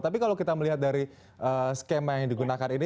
tapi kalau kita melihat dari skema yang digunakan ini